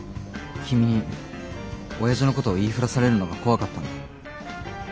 君に親父のことを言いふらされるのが怖かったんだ。